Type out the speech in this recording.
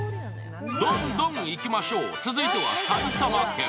どんどんいきましょう、続いては埼玉県。